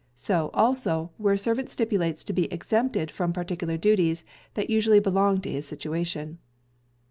So, also, where a servant stipulates to be exempted from particular duties that usually belong to his situation.